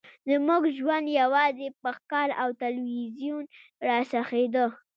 زموږ ژوند یوازې په ښکار او تلویزیون راڅرخیده